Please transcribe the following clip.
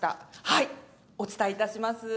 はいお伝えいたします。